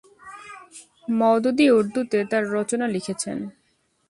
মওদুদী উর্দুতে তার রচনা লিখেছেন।